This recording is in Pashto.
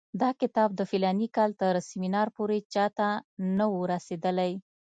دا کتاب د فلاني کال تر سیمینار پورې چا ته نه وو رسېدلی.